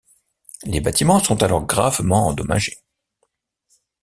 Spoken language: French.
Les bâtiments sont alors gravement endommagés.